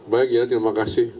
baik ya terima kasih